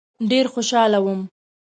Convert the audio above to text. ډېر خوشاله وم.